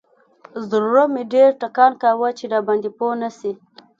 زړه مې ډېر ټکان کاوه چې راباندې پوه نسي.